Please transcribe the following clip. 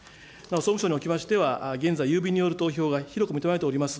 総務省におきましては、郵便による投票が広く求められております